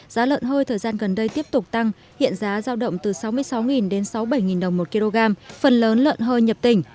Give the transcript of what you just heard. giá lợn hơi thời gian gần đây tiếp tục tăng hiện giá giao động từ sáu mươi sáu đến sáu mươi bảy đồng một kg phần lớn lợn hơi nhập tỉnh